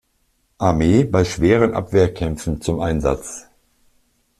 Armee bei schweren Abwehrkämpfen zum Einsatz.